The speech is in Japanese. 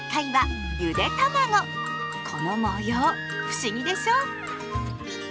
この模様不思議でしょ？